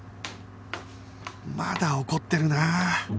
まだ怒ってるなあ